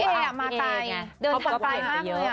พี่เออ่ะมาใจเดินทางไปมากเลยอ่ะ